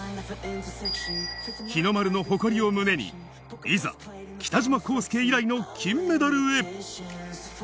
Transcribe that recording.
日の丸の誇りを胸に、いざ、北島康介以来の金メダルへ。